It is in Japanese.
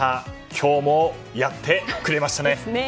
今日もやってくれましたね。